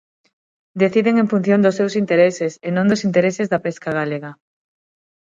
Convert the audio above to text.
Deciden en función dos seus intereses e non dos intereses da pesca galega.